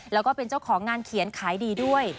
แล้วก็เป็นเจ้าของงานเขียนขายดีด้วย